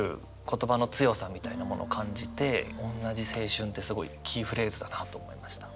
言葉の強さみたいなものを感じて「おんなじ青春」ってすごいキーフレーズだなと思いました。